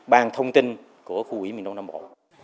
ban thông tin của khu ủy miền đông nam bộ